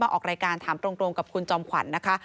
ออกรายการถามตรงกับคุณจอมขวัญนะคะ